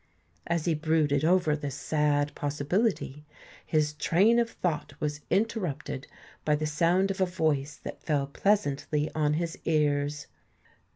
As he brooded over this sad possibility, his train of thought was interrupted by the sound of a voice that fell pleasantly on his ears.